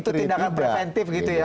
itu tindakan preventif gitu ya